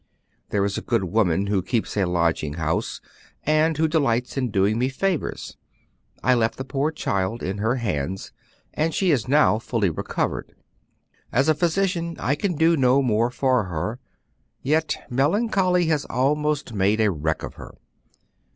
There is a good woman who keeps a lodging house, and who delights in doing me favors. I left the poor child in her hands, and she is now fully recovered. As a physician I can do no more for her, and yet melancholy has almost made a wreck of her.